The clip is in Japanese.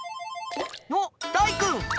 おっ鯛くん！